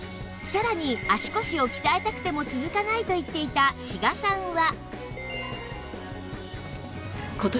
さらに足腰を鍛えたくても続かないと言っていた志賀さんは